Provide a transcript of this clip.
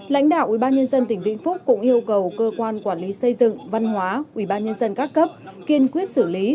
lãnh đạo ubnd tỉnh vĩnh phúc cũng yêu cầu cơ quan quản lý xây dựng văn hóa ubnd các cấp kiên quyết xử lý